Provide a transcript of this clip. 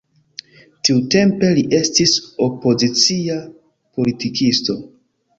Tiutempe li estis opozicia politikisto.